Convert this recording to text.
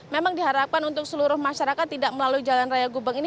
memang diharapkan untuk seluruh masyarakat tidak melalui jalan raya gubeng ini